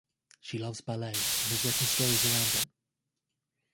She loves ballet, and has written stories around it.